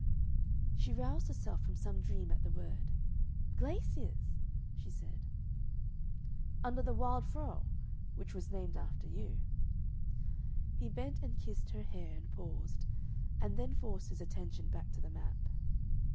She roused herself from some dream at the word. "Glaciers?" she said. "Under the Wilde Frau which was named after you." He bent and kissed her hair and paused, and then forced his attention back to the map.